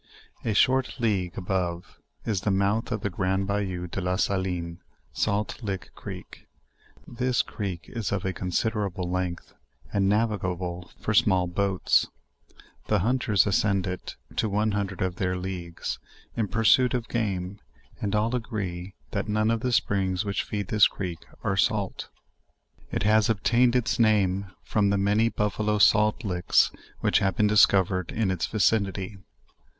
A short league above is the mouth of the grand bayou de la Saline (Salt Lick creek.) This creek is of a considerable length and navigable for small boats. The hunters ascend it, to one hundred of their leagues, in pursuit of game, and all agree that none of the springs which feed this creek are gait. It has obtained its namefrom the many buffalo sal$ LEWIS AND CLARKE. 189 licks which have been discovered in its vicinity.